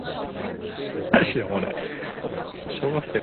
The group also included a number of parents, educators and community activists.